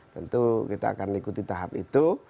tentu kita akan ikuti tahap itu